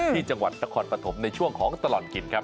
ที่จังหวัดนครปฐมในช่วงของตลอดกินครับ